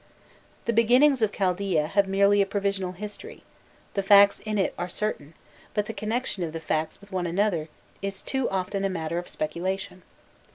The beginnings of Chaldaea have merely a provisional history: the facts in it are certain, but the connection of the facts with one another is too often a matter of speculation.